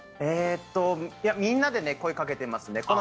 みんなで声をかけてますね。